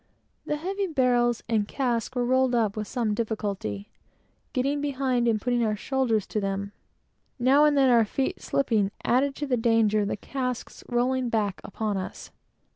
The heavy barrels and casks we rolled up with some difficulty, getting behind and putting our shoulders to them; now and then our feet slipping, added to the danger of the casks rolling back upon us.